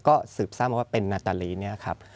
ก็สืบทราบมาว่าเป็นนาตาลีเนี่ยครับ